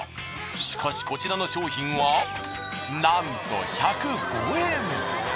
しかしこちらの商品はなんと１０５円。